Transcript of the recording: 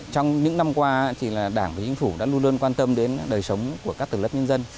trong những năm qua thì là đảng và chính phủ đã luôn luôn quan tâm đến đời sống của các tử lập nhân dân